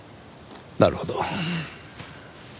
なるほど。